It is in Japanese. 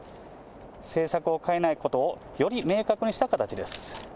政策を変えないことをより明確にした形です。